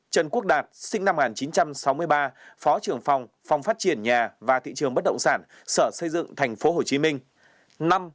một trần quốc đạt sinh năm một nghìn chín trăm sáu mươi ba phó trưởng phòng phòng phát triển nhà và thị trường bất động sản sở xây dựng tp hcm